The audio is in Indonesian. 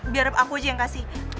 biar aku aja yang kasih